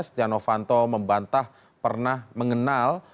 stiano fanto membantah pernah mengenal